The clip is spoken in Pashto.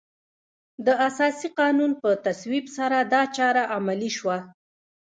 د اساسي قانون په تصویب سره دا چاره عملي شوه.